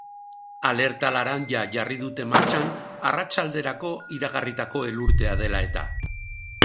Alerta laranja jarri dute martxan arratsalderako iragarritako elurtea dela eta.